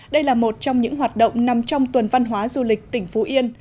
đây là một trong những hoạt động nằm trong tuần văn hóa du lịch tỉnh phú yên